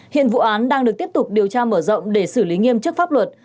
hiện vụ án đang được tiếp tục điều tra mở rộng để xử lý nghiêm chức pháp luật